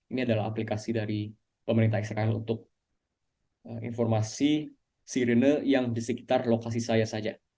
ini adalah aplikasi dari pemerintah israel untuk informasi sirine yang di sekitar lokasi saya saja